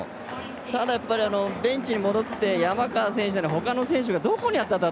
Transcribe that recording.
ただ、やっぱりベンチに戻って山川選手とか他の選手が、どこに当たった？